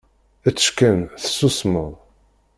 Ečč kan, tessusmeḍ!